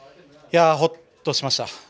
ほっとしました。